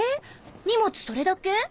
荷物それだけ？